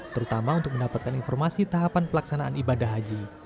terutama untuk mendapatkan informasi tahapan pelaksanaan ibadah haji